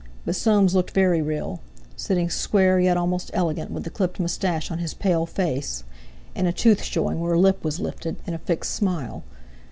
But Soames looked very real, sitting square yet almost elegant with the clipped moustache on his pale face, and a tooth showing where a lip was lifted in a fixed smile.